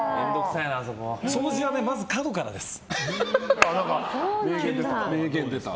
掃除はまず、角からです。